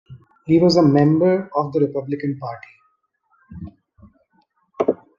He was a member of the Republican Party.